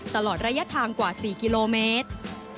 ตลอดระยะทางกว่า๔กิโลเมตร